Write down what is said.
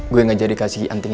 gue gak jadi kasih anting